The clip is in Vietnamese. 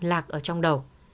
lạc ở trong đầu